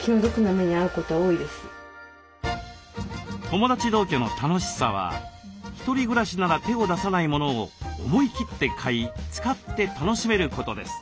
友達同居の楽しさは１人暮らしなら手を出さないものを思い切って買い使って楽しめることです。